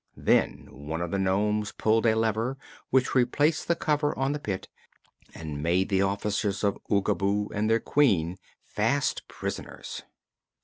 Then one of the nomes pulled a lever which replaced the cover on the pit and made the officers of Oogaboo and their Queen fast prisoners.